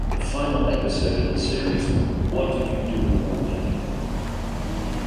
The final episode in the series, 'What Did You Do in the War, Daddy?